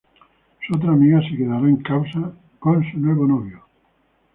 Su otra amiga, se quedará en casa con su nuevo novio.